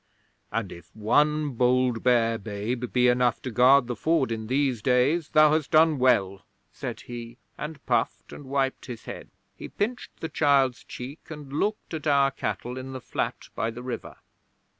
"And if one bold, bare babe be enough to guard the Ford in these days, thou hast done well," said he, and puffed and wiped his head. 'He pinched the child's cheek, and looked at our cattle in the flat by the river.